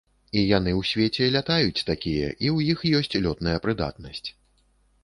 І яны ў свеце лятаюць такія, і ў іх ёсць лётная прыдатнасць.